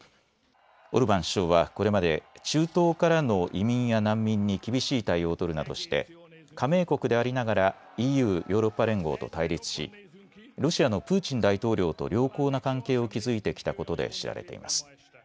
オルバン首相はこれまで中東からの移民や難民に厳しい対応を取るなどして加盟国でありながらＥＵ・ヨーロッパ連合と対立しロシアのプーチン大統領と良好な関係を築いてきたことで知られています。